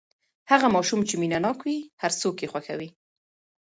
هغه ماشوم چې مینه ناک وي، هر څوک یې خوښوي.